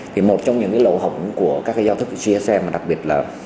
thì một trong những cái lỗ hỏng của các cái giao thức gsm đặc biệt là